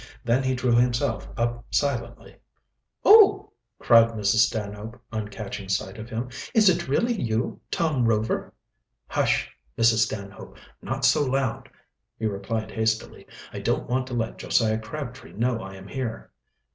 Then he drew himself up silently. "Oh!" cried Mrs. Stanhope, on catching sight of him. "Is it really you, Tom Rover?" "Hush, Mrs. Stanhope! not so loud," he replied hastily. "I don't want to let Josiah Crabtree know I am here."